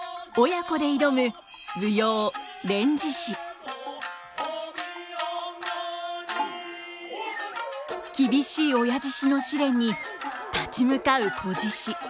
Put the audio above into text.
親子で挑む厳しい親獅子の試練に立ち向かう仔獅子。